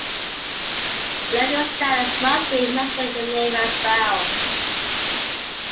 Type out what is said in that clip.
The legal status must be mentioned in the name as well.